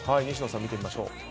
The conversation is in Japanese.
西野さん見てみましょう。